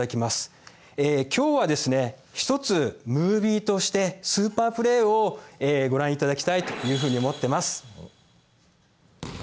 え今日はですね一つムービーとしてスーパープレーをご覧いただきたいというふうに思ってます。